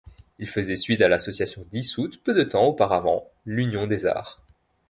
Il faisait suite à l'association dissoute peu de temps auparavant L'Union des Arts.